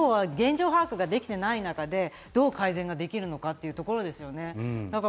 要は現状把握ができていない中でどう改善ができるのかっていうところですよね。